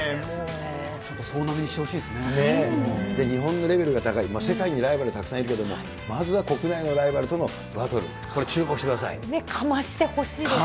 ちょっと総なめしてほしいで日本のレベルが高い、世界にライバルたくさんいるけれども、まずは国内のライバルとのかましてほしいですね。